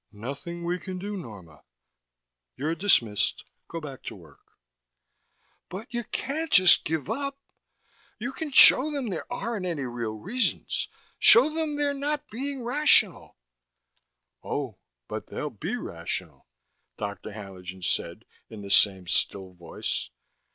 "Nothing we can do, Norma. You're dismissed: go back to work." "But you can't just give up you can show them there aren't any real reasons, show them they're not being rational " "Oh, but they'll be rational," Dr. Haenlingen said in the same still voice.